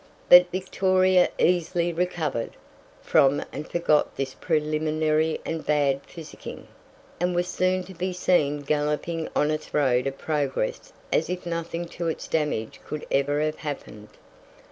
But Victoria easily recovered from and forgot this preliminary and bad physicking, and was soon to be seen galloping on its road of progress as if nothing to its damage could ever have happened.